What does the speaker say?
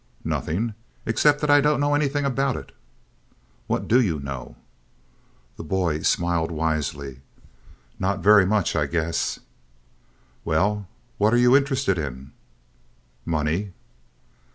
"Nothing, except that I don't know anything about it." "What do you know?" The boy smiled wisely. "Not very much, I guess." "Well, what are you interested in?" "Money!"